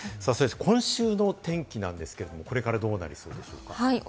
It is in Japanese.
今週の天気なんですけれども、これからどうなりそうでしょうか？